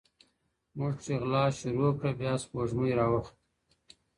¬ موږ چي غلا شروع کړه، بيا سپوږمۍ راوخته.